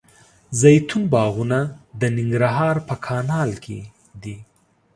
زیتون باغونه د ننګرهار په کانال کې دي.